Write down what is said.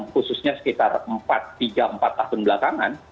khususnya sekitar empat tiga empat tahun belakangan